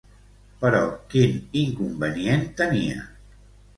Però quin inconvenient tenia?